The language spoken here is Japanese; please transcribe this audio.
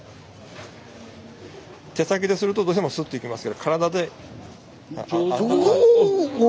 手先でするとどうしてもスッといきますから体で。